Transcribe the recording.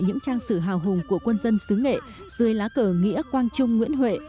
những trang sử hào hùng của quân dân xứ nghệ dưới lá cờ nghĩa quang trung nguyễn huệ